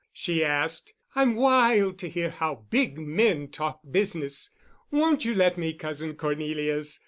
she asked. "I'm wild to hear how big men talk business. Won't you let me, Cousin Cornelius?